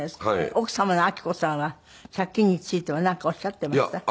奥様の明子さんは借金についてはなんかおっしゃっていました？